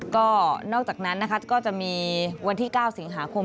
ก็นอกจากนั้นนะคะก็จะมีวันที่๙สิงหาคม